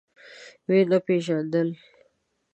ويې نه پيژاندل.